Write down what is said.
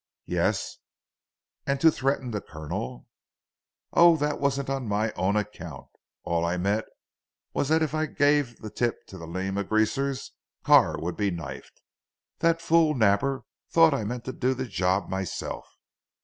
"Yes, and to threaten the Colonel." "Oh! that wasn't on my own account. All I meant was that if I gave the tip to the Lima greasers, Carr would be knifed. That fool Napper thought I meant to do the job myself.